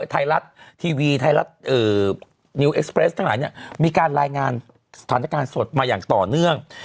ไทยรัฐทีวีไทยรัฐนิวเอสเปรสทั้งหลายเนี่ยมีการรายงานสถานการณ์สดมาอย่างต่อเนื่อง